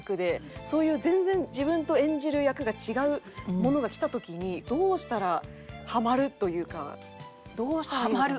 そういう全然自分と演じる役が違うものが来た時にどうしたらハマるというかどうしたらいいのかな。